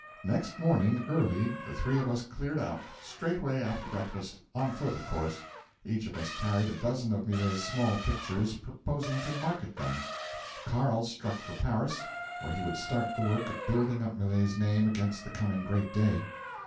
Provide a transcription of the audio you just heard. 'Next morning, early, the three of us cleared out, straightway after breakfast on foot, of course. Each of us carried a dozen of Millet's small pictures, purposing to market them. Carl struck for Paris, where he would start the work of building up Millet's name against the coming great day.